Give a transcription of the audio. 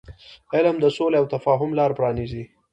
علم د سولې او تفاهم لار پرانیزي.